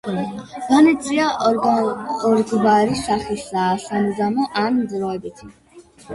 ბანიცია ორგვარი სახისაა: სამუდამო ან დროებითი.